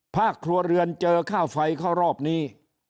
ครัวเรือนเจอค่าไฟเข้ารอบนี้